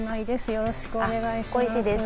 よろしくお願いします。